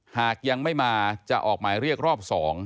หากยังไม่มาจะออกหมายเรียกรอบ๒